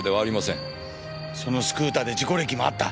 そのスクーターで事故歴もあった。